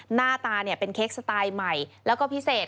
หน้าตาเป็นเค้กสไตล์ใหม่แล้วก็พิเศษ